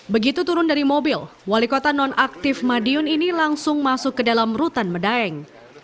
begitu turun dari mobil wali kota nonaktif madiun ini langsung masuk ke dalam rutan medaeng